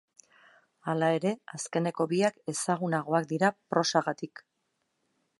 Hala ere, azkeneko biak ezagunagoak dira prosagatik.